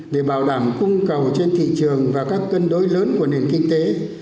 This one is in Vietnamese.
để bảo đảm cung cầu trên thị trường và các cân đối lớn của nền kinh tế